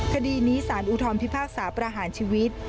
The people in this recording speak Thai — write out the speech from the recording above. คดีนี้สารอุทธรพิพากษาประหารชีวิต